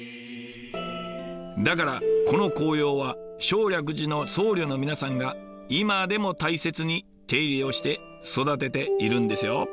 だからこの紅葉は正暦寺の僧侶の皆さんが今でも大切に手入れをして育てているんですよ。